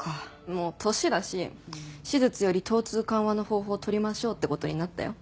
もう年だし手術より疼痛緩和の方法を取りましょうって事になったよ。